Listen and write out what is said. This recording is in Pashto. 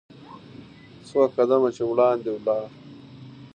څو قدمه چې وړاندې ولاړ .